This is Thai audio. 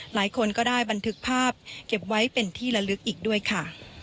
หลายคนก็ได้บันทึกภาพเก็บไว้เป็นที่ละลึกอีกด้วยค่ะ